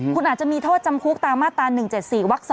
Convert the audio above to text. คุณอาจจะมีโทษจำคุกตามมาตรา๑๗๔วัก๒